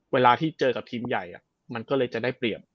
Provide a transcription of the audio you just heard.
เวลาที่เจอกับทีมใหญ่มันก็เลยจะได้เปรียบ